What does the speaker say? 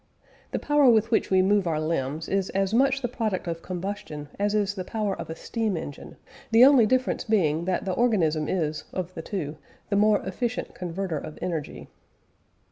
The power with which we move our limbs is as much the product of combustion as is the power of a steam engine, the only difference being that the organism is, of the two, the more efficient converter of energy.